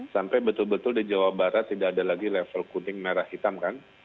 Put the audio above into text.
sampai betul betul di jawa barat tidak ada lagi level kuning merah hitam kan